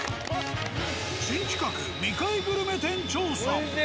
新企画、未開グルメ店調査。